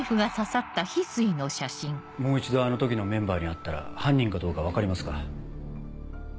もう一度あの時のメンバーに会ったら犯人かどうか分かりますか？